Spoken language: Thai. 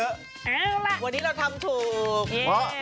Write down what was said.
เอาล่ะวันนี้เราทำถูก